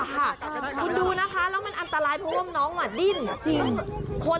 คุณดูนะคะแล้วมันอันตรายเพราะว่าน้องมาดิ้นชิงคน